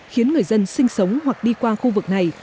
khiến người dân sinh sống hoặc đi qua khu vực này